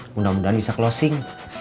mudah mudahan bisa closing